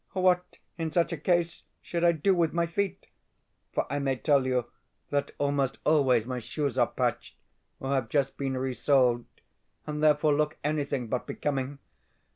What, in such a case, should I do with my feet (for I may tell you that almost always my shoes are patched, or have just been resoled, and therefore look anything but becoming)?